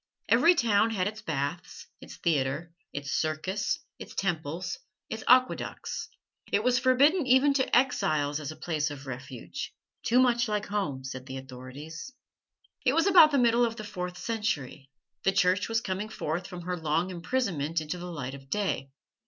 Every town had its baths, its theatre, its circus, its temples, its aqueducts. It was forbidden even to exiles as a place of refuge too much like home, said the authorities. It was about the middle of the fourth century. The Church was coming forth from her long imprisonment into the light of day.